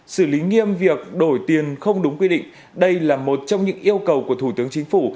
xử lý nghiêm việc đổi tiền không đúng quy định đây là một trong những yêu cầu của thủ tướng chính phủ